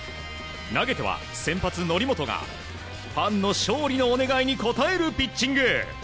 投げては先発、則本がファンの勝利のお願いに応えるピッチング。